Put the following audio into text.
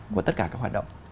của tất cả các hoạt động